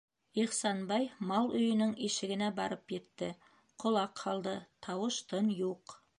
Ихсанбай мал өйөнөң ишегенә барып етте, ҡолаҡ һалды, - тауыш-тын юҡ.